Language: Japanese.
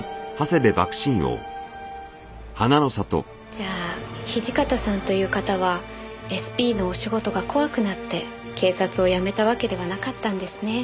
じゃあ土方さんという方はＳＰのお仕事が怖くなって警察を辞めたわけではなかったんですね。